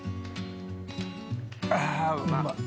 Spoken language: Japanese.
あぁうまっ。